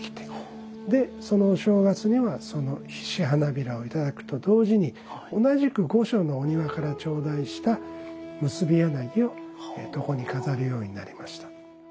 でお正月にはその菱葩をいただくと同時に同じく御所のお庭から頂戴した結柳を床に飾るようになりました。